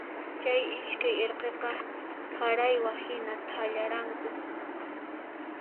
Chay iskay irqiqa qaraywa hina thallaranku.